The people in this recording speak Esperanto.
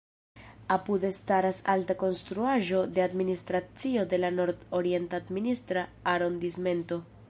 Apude staras alta konstruaĵo de administracio de la Nord-Orienta administra arondismento.